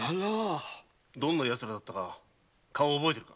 どんなヤツらだったか顔を覚えているか？